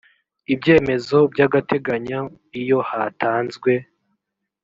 ibyemezo by agateganyo iyo hatanzwe